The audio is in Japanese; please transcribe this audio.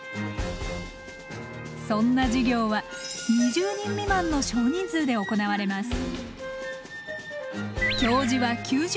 そんな授業は２０人未満の少人数で行われます。